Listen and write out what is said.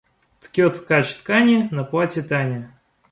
Ткет ткач ткани на платье Тане.